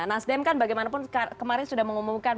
nasdem kan bagaimanapun kemarin sudah mengumumkan